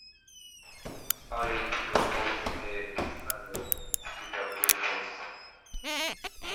I'd propose a dictionary attack instead of brute force.